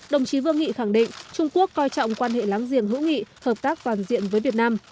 đồng chí vương nghị khẳng định trung quốc coi trọng quan hệ láng giềng hữu nghị hợp tác toàn diện với việt nam